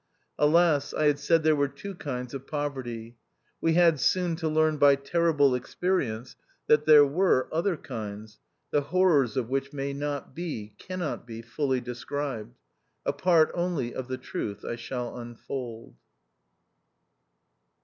Alas ! I had said there were two kinds of poverty. We had soon to learn by terrible experience that there were other kinds, the horrors of which may not be, cannot be, fully described. A part only of the truth I shall unfold.